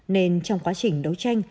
nên trong quá trình đấu tranh